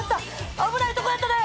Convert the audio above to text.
危ないとこやったで！